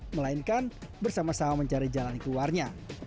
melainkan bersama sama mencari jalan keluarnya